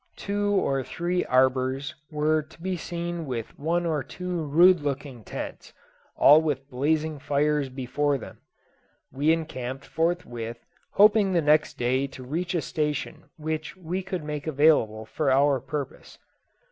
Two or three arbours were to be seen with one or two rude looking tents, all with blazing fires before them. We encamped forthwith, hoping the next day to reach a station which we could make available for our purpose.